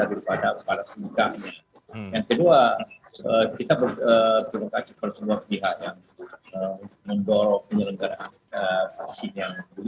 itu wajar walaupun tetap hati hati